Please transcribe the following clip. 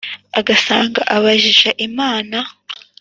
agasanga abajije imana